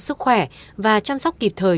sức khỏe và chăm sóc kịp thời